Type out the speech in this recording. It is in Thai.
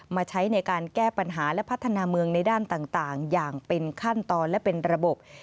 มาใช้ในการแก้ปัญหาและพัฒนาเมืองในด้านต่างอย่างเป็นขั้นตอนและเป็นระบบ